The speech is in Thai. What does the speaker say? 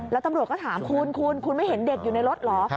แล้วตำรวจก็ถามคุณคุณไม่เห็นเด็กอยู่ในรถเหรอ